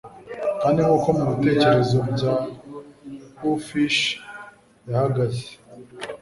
Kandi nkuko mubitekerezo bya uffish yahagaze